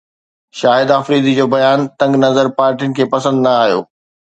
شاهد آفريدي جو بيان تنگ نظر ڀارتين کي پسند نه آيو